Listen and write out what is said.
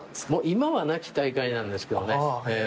今はなき大会なんですけどね。